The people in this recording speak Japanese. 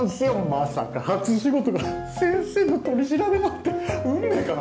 まさか初仕事が先生の取り調べなんて運命かな？